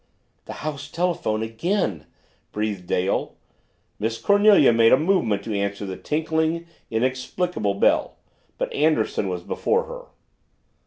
"The house telephone again!" breathed Dale. Miss Cornelia made a movement to answer the tinkling, inexplicable bell. But Anderson was before her.